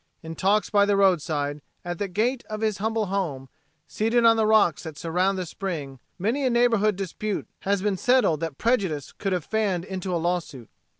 In talks by the roadside, at the gate of his humble home, seated on the rocks that surround the spring, many a neighborhood dispute has been settled that prejudice could have fanned into a lawsuit.